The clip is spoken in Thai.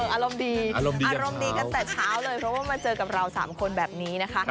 อารมณ์ดีอารมณ์ดีกันแต่เช้าเลยเพราะว่ามาเจอกับเรา๓คนแบบนี้นะคะ